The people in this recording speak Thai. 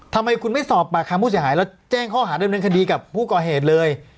ทำไมคุณไม่สอบปากคำผู้เสียหายแล้วแจ้งข้อหาดำเนินคดีกับผู้ก่อเหตุเลย